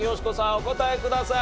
お答えください。